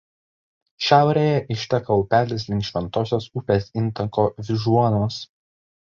Šiaurėje išteka upelis link Šventosios upės intako Vyžuonos.